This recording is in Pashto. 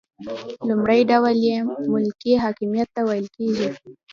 لومړی ډول یې ملي حاکمیت ته ویل کیږي.